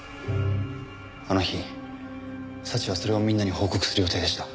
あの日早智はそれをみんなに報告する予定でした。